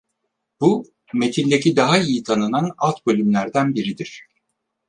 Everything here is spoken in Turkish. Bu, metindeki daha iyi tanınan alt bölümlerden biridir.